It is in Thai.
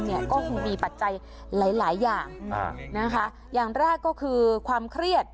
ก็คงมีปัจจัยหลายอย่างอย่างแรกก็คือความเครียด